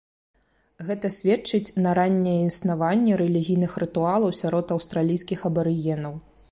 Гэта сведчыць на ранняе існаванне рэлігійных рытуалаў сярод аўстралійскіх абарыгенаў.